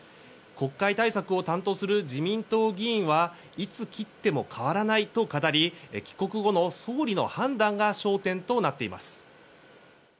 国会対策を担当する自民党議員はいつ切っても変わらないと語り帰国後の総理の判断が焦点となっています。